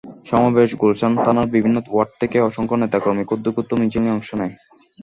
সমাবেশে গুলশান থানার বিভিন্ন ওয়ার্ড থেকে অসংখ্য নেতাকর্মী ক্ষুদ্র ক্ষুদ্র মিছিল নিয়ে অংশ নেয়।